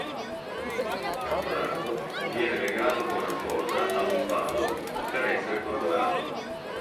Catturato, viene legato con la sposa a un palo per essere torturato.